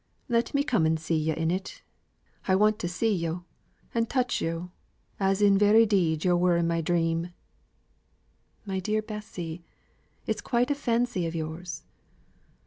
Let me come and see yo' in it. I want to see yo' and touch yo' as in very deed yo' were in my dream." "My dear Bessy, it is quite a fancy of yours."